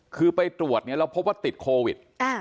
คือไปตรวจแล้วพบว่าติดโควิด